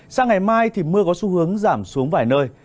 sang ngày mai thì mưa có xu hướng giảm xuống vài nơi